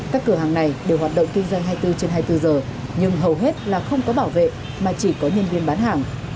các cửa hàng này đều hoạt động kinh doanh hai mươi bốn trên hai mươi bốn giờ nhưng hầu hết là không có bảo vệ mà chỉ có nhân viên bán hàng